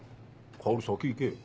香織先行けよ。